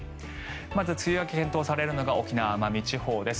まず、梅雨明け、検討されるのが沖縄・奄美地方です。